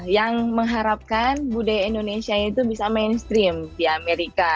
yang mengharapkan budaya indonesia itu bisa mainstream di amerika